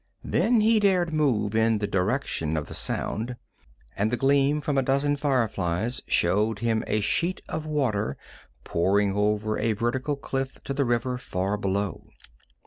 Then he dared move in the direction of the sound, and the gleam from a dozen fireflies showed him a sheet of water pouring over a vertical cliff to the river far below.